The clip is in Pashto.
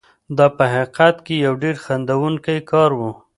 دا په حقیقت کې یو ډېر خندوونکی کار و.